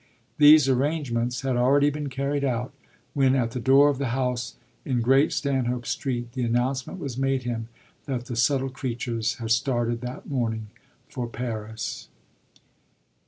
These arrangements had already been carried out when, at the door of the house in Great Stanhope Street, the announcement was made him that the subtle creatures had started that morning for Paris.